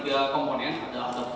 terus metode yang kedua